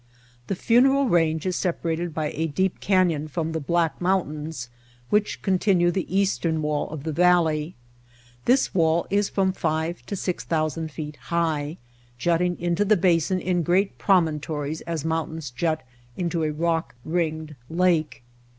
The Funeral Range is separated by a deep canyon from the Black Mountains which con tinue the eastern wall of the valley. This wall is from five to six thousand feet high, jutting into the basin in great promontories as moun tains jut into a rock ringed lake.